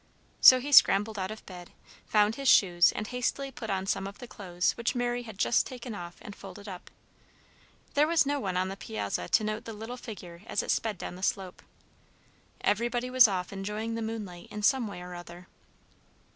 So he scrambled out of bed, found his shoes, and hastily put on some of the clothes which Mary had just taken off and folded up. There was no one on the piazza to note the little figure as it sped down the slope. Everybody was off enjoying the moonlight in some way or other.